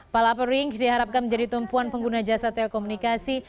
palapa ring diharapkan menjadi tumpuan pengguna jasa telekomunikasi